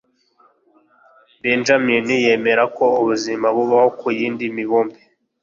Benjamin yemera ko ubuzima bubaho ku yindi mibumbe.